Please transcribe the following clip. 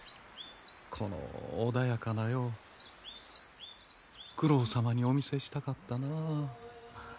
この穏やかな世を九郎様にお見せしたかったなあ。